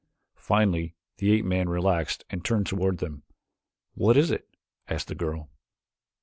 Finally the ape man relaxed and turned toward them. "What is it?" asked the girl.